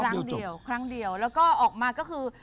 ครั้งเดียวครั้งเดียวแล้วก็ออกมาก็คือ